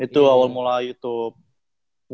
itu awal mulai youtube